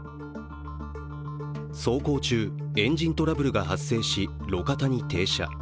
走行中エンジントラブルが発生し、路肩に停車。